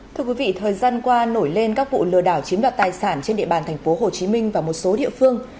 thưa quý vị thời gian qua nổi lên các vụ lừa đảo chiếm đoạt tài sản trên địa bàn thành phố hồ chí minh và một số địa phương